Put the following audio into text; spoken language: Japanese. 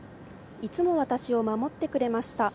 いつも私を守ってくれました。